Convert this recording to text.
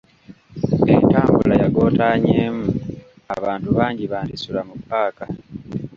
Entambula yagootaanyemu, abantu bangi bandisula mu paaka.